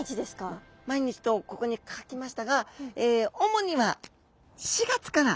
「毎日」とここに書きましたが主には４月から。